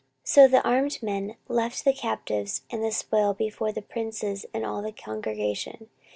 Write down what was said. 14:028:014 So the armed men left the captives and the spoil before the princes and all the congregation.